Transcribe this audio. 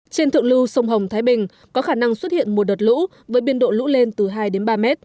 trên thượng lưu sông hồng thái bình có khả năng xuất hiện một đợt lũ với biên độ lũ lên từ hai đến ba m